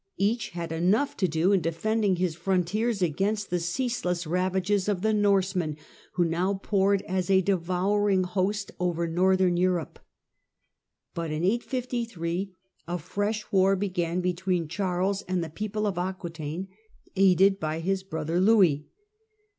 Each had enough to do in defending his frontiers against the ceaseless ravages of the Norse men, who now poured as a devouring host over Northern Europe. But in 853 a fresh war began between Charles and the people of Aquetaine, aided by his brother Louis.